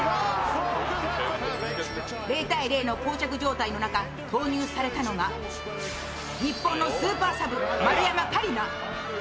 ０−０のこう着状態の中投入されたのが日本のスーパーサブ・丸山桂里奈。